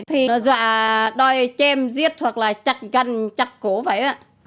thì nó dọa đòi chêm giết hoặc là chặt găn chặt cố vậy ạ